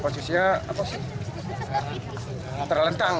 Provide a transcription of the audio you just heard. kondisinya telungkup apa